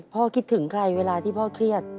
คิดถึงใครเวลาที่พ่อเครียด